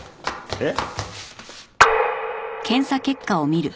えっ。